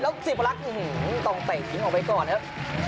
ศิพลักษณ์ต้องเตะทิ้งออกไปก่อนครับ